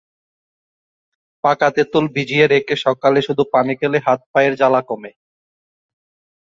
পাকা তেঁতুল ভিজিয়ে রেখে সকালে শুধু পানি খেলে হাত-পায়ের জ্বালা কমে।